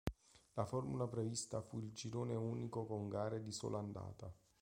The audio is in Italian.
La formula prevista fu il girone unico con gare di sola andata.